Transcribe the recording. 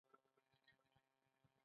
خدایه ستا څومره بېشانه معجزات دي